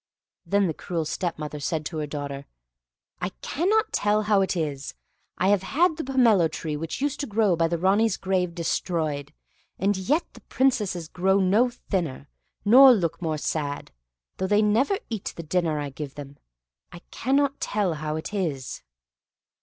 Then the cruel stepmother said to her daughter: "I cannot tell how it is, I have had the pomelo tree which used to grow by the Ranee's grave destroyed, and yet the Princesses grow no thinner, nor look more sad, though they never eat the dinner I give them. I cannot tell how it is!"